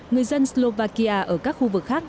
người dân slovakia ở các khu vực khác